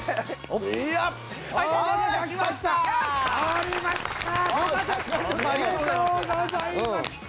おめでとうございます！